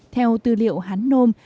theo tư liệu hán nôm